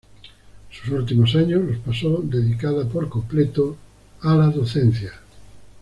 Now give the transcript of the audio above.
Sus últimos años los pasó dedicada por completo a la docencia.